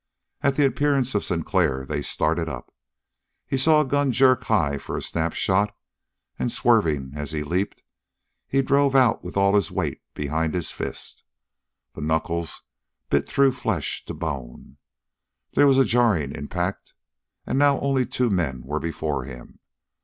At the appearance of Sinclair they started up. He saw a gun jerk high for a snap shot, and, swerving as he leaped, he drove out with all his weight behind his fist. The knuckles bit through flesh to the bone. There was a jarring impact, and now only two men were before him.